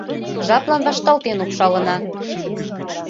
Жаплан вашталтен упшалына.